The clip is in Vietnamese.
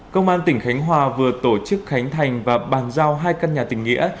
công an tỉnh khánh hòa vừa tổ chức khánh thành và bàn giao hai căn nhà tỉnh nghĩa